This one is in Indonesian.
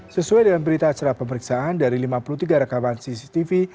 sesuai dengan berita acara pemeriksaan dari lima puluh tiga rekaman cctv